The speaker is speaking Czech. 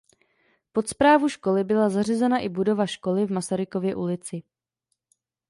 Pod správu školy byla zařazena i budova školy v Masarykově ulici.